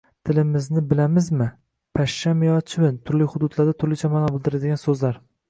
Tilimizni bilamizmi: pashshami yo chivin? Turli hududlarda turlicha ma’no bildiradigan so‘zlar